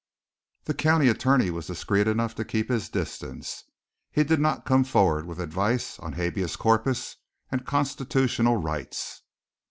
The county attorney was discreet enough to keep his distance. He did not come forward with advice on habeas corpus and constitutional rights.